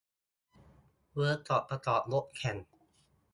เวิร์คช็อปประกอบรถแข่ง